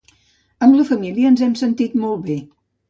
Amb la família ens hem sentit molt bé.